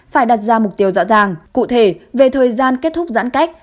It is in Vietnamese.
phải đặt ra mục tiêu rõ ràng cụ thể về thời gian kết thúc giãn cách